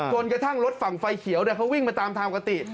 กระทั่งรถฝั่งไฟเขียวเขาวิ่งมาตามทางกติ